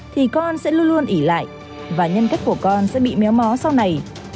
thì con sẽ luôn luôn ỉ lại và nhân cách của con sẽ bị méo mó sau này